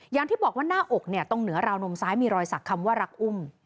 อย่างที่บอกว่าหน้าอกตรงเหนือราวนมซ้ายมีรอยสักคำว่ารักอุ้ม